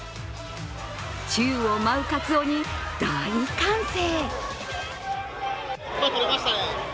宙を舞うかつおに、大歓声。